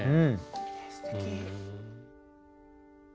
すてき。